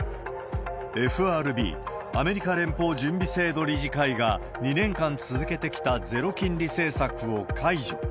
ＦＲＢ・連邦準備制度理事会が２年間続けてきたゼロ金利政策を解除。